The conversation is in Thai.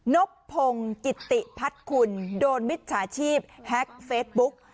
นบพงศ์กิติพัฒน์คุณโดนมิจฉาชีพแฮ็กเฟซบุ๊ก